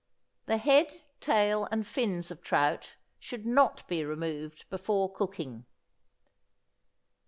The head, tail, and fins of trout should not be removed before cooking.